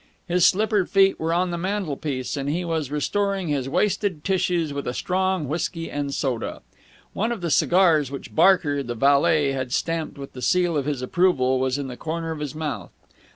His slippered feet were on the mantelpiece, and he was restoring his wasted tissues with a strong whisky and soda. One of the cigars which Barker, the valet, had stamped with the seal of his approval was in the corner of his mouth.